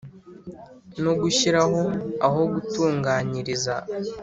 no gushyiraho aho gutunganyiriza